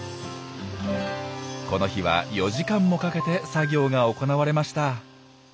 この日は４時間もかけて作業が行われました。